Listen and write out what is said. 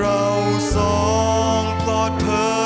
เราสองพลังเมือง